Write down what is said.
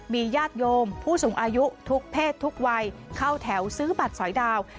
มีญาติโยมผู้สูงอายุทุกเพศทุกวัยเข้าแถวซื้อบัตรสอยดาว